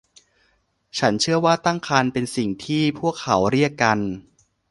ฉันเชื่อว่าตั้งครรภ์เป็นสิ่งที่พวกเขาเรียกกัน